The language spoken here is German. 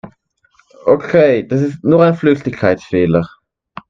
Okay, das ist nur ein Flüchtigkeitsfehler.